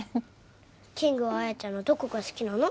キングは綾ちゃんのどこが好きなの？